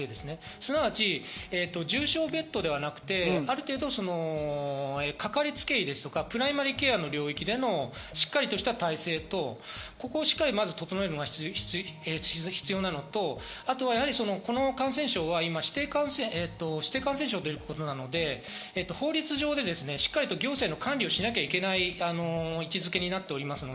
すなわち重症ベッドではなくて、ある程度かかりつけ医ですとか、プライマリ・ケアの領域でしっかりした体制とここをまず整えるのが必要なのと、この感染症は今、指定感染症ということなので、法律上でしっかり行政の管理をしなきゃいけない位置付けになっております。